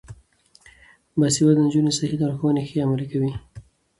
باسواده نجونې صحي لارښوونې ښې عملي کوي.